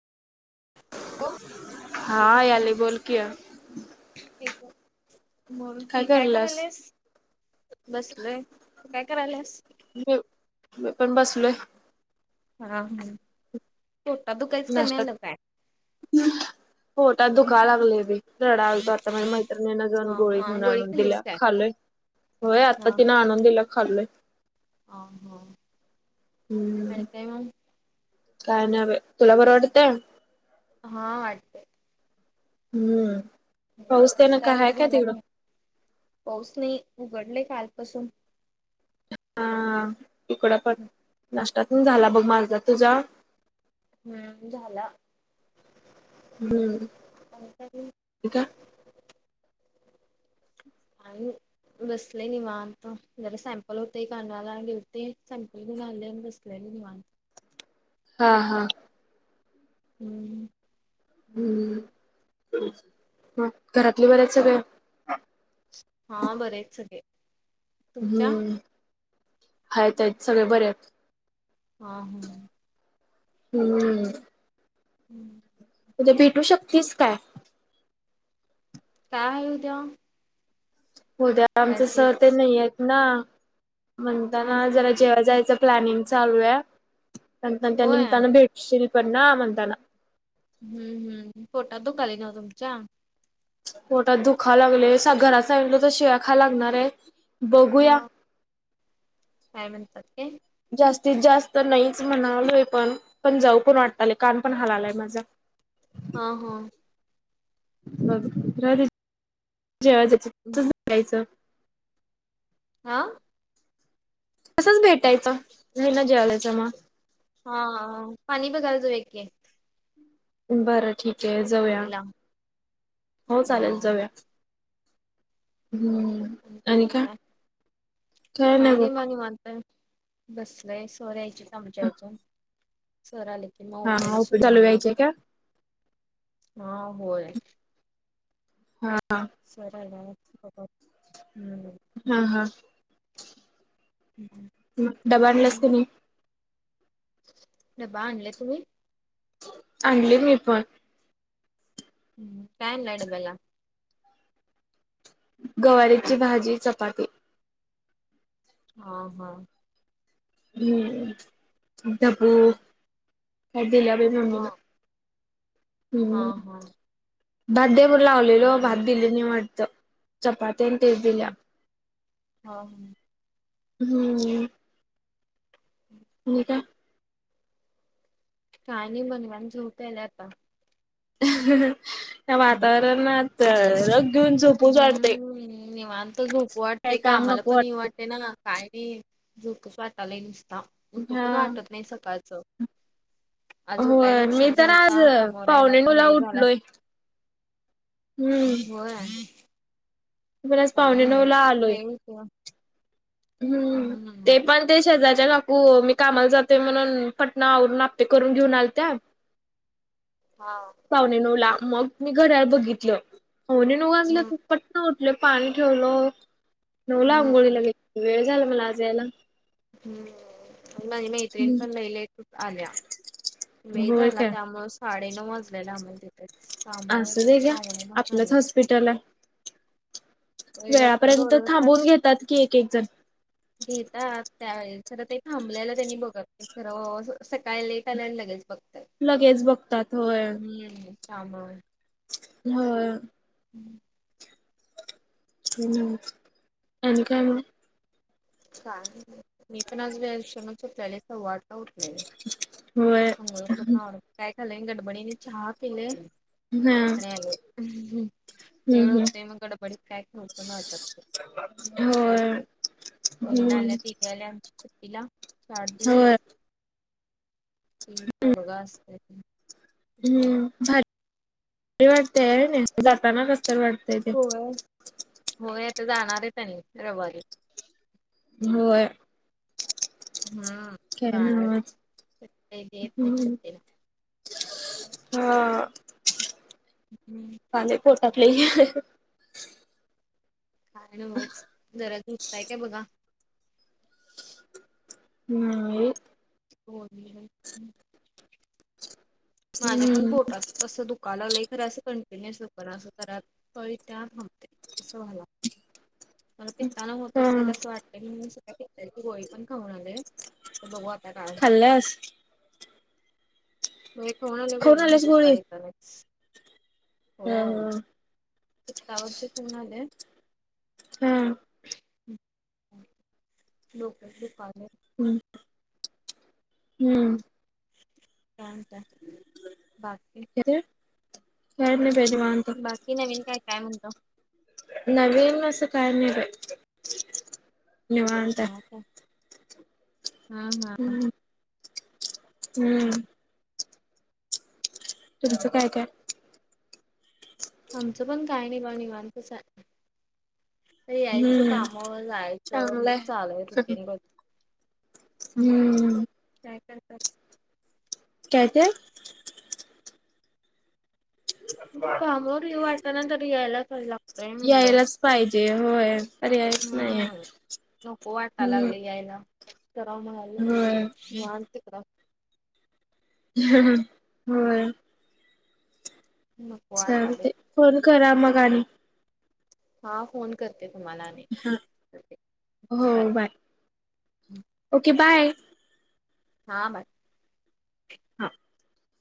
हा याले [unintelligible] बोल की बोल की काय करायल्यास? बसलोय. काय करायल्यास? मी मी पण बसलोय. [unintelligible] पोटात दुखायच कमी नाश्तात आलं काय? पोटात दुखाय लागलंय बाई. रडालतो आता माझ्या मैत्रिणीनं हा जाऊन गोळी हा घेऊन आणून खाल्लीस दिल्या काय खालोय. होय आता तिनं आणुन दिला खाल्लोय. आ हा. आणि हम्म काय मग? काय नाही बाई तुला बरं वाटतंय? हा वाटतंय. हम्म. पाऊस तेन नाश्ता काय हाय वगैरे काय झाला का तिकडं? नाही पाऊस नाही उघडलंय कालपासून. हा इकडं पण नाश्ता पण झाला बघ माझा. तुझा? हम्म झाला. हम्म. आणि काय मग? [unintelligible] पाणी बसले निवांत जरा सॅम्पल होते, एक आणायला आलिवतीत सॅम्पल घेऊन आले आणि बसले. लेली निवांत. हा हा. हम्म. हम्म, मग घरातले बर आहेत सगळं. हा, बरे आहेत सगळे. तुमच्या हम्म, आहेत, आहेत सगळे बरे आहेत. हं हम्म. हम्म. हम्म. उद्या भेटू शकतीस काय? काय हाय उद्या? उद्या आमचे सर तेन क्लासेस नाहीयेत ना, हा म्हणताना हा जरा जेवाय जायचं प्लॅनिंग चालू आहे, आणि त्या होय निमतानं भेटशील पण ना म्हणताना. हम्म हम्म पोटात दुखालय न्हव तुमच्या? पोटात दुखायला लागलंय, साग घरात सांगितलं तर शिव्या खायला लागणार आहेत. हो. काय म्हणतात ते? जास्तीत जास्त नाहीच म्हणालोय, पण पण जाऊ पण वाटलयं. कान पण हलालाय माझा. हा हा. मग [unintelligible] आ? असंच भेटायचं. [unintelligible] मग? हा पाणी बघायला जाऊया की. बरं ठीक आहे जाऊया. दिंडीला हो हा चालेल जाऊया. हम्म आणि काय म्हणताय? काय नाही मग निवांत. [unintelligible] बसलोय. सर यायचे आहेत आमचे अजून. सर आले मग हा ओपिडी उकळी सुरू चालू होणार, व्हायचे का हा होय. हा. सर आले वाटतं [unintelligible] हम्म. हा हा. हम्म हम्म. डबा आणलंयस का नाही? डबा आणलाय तुम्ही? आणली मी पण. हम्म. काय मॅडम बोला. गवारीची भाजी, चपाती. हो हो. हम्म. ढबू काय दिल्या बाई हा मम्मीनं. हा हम्म हा. भात देबो लावलेलो हो भात दिली नाही वाटत, चपाती आणि तेच दिलीया. हां हां. हम्म. हम्म. आणि काय? का नाही म्हनवाण झोप यालीया आता. हं हं वातावरणात तर. हम्म निवांत झोपू काही वाटतय काम कामाला नको पण येऊ वाटेना. काय नाही झोपूच वाटालाय नुसता वाटत उठू पण वाटत हा नाही सकाळचं. आज उठायला होय मी उशीर तर आज झालता कामावर यायला पावणे नऊ पण ला वेळ झाला उठलोय. हम्म मी होय. पण आज काय पावणे नऊला नव्हच आलोय वेरी क्यो हम्म ते पण ते शेजारच्या काकू मी कामाला जातोय म्हणून, पटना आवरून आप्पे करून घेऊन आल त्या. हां. पावणे नऊला मग मी घड्याळ बघितलं पावणे नऊ हम्म वाजल्यात? पटन उठले पाणी ठेवलं नव्हलं हम्म आंघोळीला गेली वेळ झाला मला आज यायला. हम्म. नाही नाही ट्रेन पण लय लेट आल्या वेळ होय झाला काय? त्यामुळे. पाडे नाऊ वाजल्याला आम्हाला तिथेच कामच पाडने वाजले. पिटला होय डॉक्टर वेळापर्यंत ओरडतात थांबून घेतात कि एक एक जण. घेता त्यावेळेस तर ते थांबल्याला त्यांनी बघत. इथं रोज सकाळी लेट आल्यान लगेच बघतायत. लगेच बघतात होय. हम्म त्यामुळं. होय. हम्म. हो ना, आणि काय मग? काय नाही मी पण आज वेळ उशीरानच उठलेले सव्वा आठ ला उठलेले. होय मंगळ हा काय खलं गडबडीने चहा पिले. हम्म आणि आले हं हम्म. ए हम्म नेमगड बड कायक नोक वाटते. होय. बहीण हम्म आल्या तिने आल्या आमच्या सुट्टीला चार होय. दिवस. ती पोरगं असतय की. हम्म भारी वाटतंय होय नई? जाताना कसतर वाट होय, होय आता जाणार आहेत त्यांनी रविवारी. होय. हा काय काळात नव्हच सुट्टी देत नाहीत हम्म. सुट्टीला. हा. हम्म. खालंय पोटात लई. काय नव्हच जरा झोपताय काय बघा. नाही. चोरली लाईट हम्म. माझ्या पण हम्म पोटात. तसं दुःखा लागलंय, खर असं कंटिन्युअस दुखणा असं जरा कळ येतीया थांबतीया. असं झाला. मला पित्ताना होत हा असेल असं वाटत की मी सगळ्या पित्ताची गोळी पण खाऊन आलोय. त बघता का [unintelligible] खाल्लस. म कोणाला खाऊन बोलणे आल्यास गोळी? सकाळी तरच हा होय. हा. [unintelligible] औषध घेऊन आले. हम्म. लोकल डिपार्टमेंट हम्म हम्म हम्म. काय म्हणताय बाकी? येतोय? काय नाही बाई निवांत. बाकी नवीन काय काय म्हणता? नवीन असं काय नाही बाई निवांत आहे. हा हा. हम्म हम्म. तुमचं काय काय? आमचं पण काय नाही बघा निवांतच आहे. तर यायचं हम्म. कामवर जायचं हे चांगलंय. चालूय रुटीन बघ. हम्म. [unintelligible] काय ये? कामावर येऊ वाटना तरी यायलाचय लागतय म्हणल. यायलाच पाहिजे होय. पर्यायच हा नाही नको वाटाय हम्म लागलंय यायला. कराव म्हणालोय. होय माल तिकडं हाय. होय. नको वाटालय चालतंय फोन करा मग आणि. हा फोन करते तुम्हाला आणि हा ओके बाय. Okay bye. हा बाय. हा.